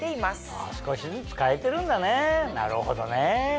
あぁ少しずつ変えてるんだねなるほどね。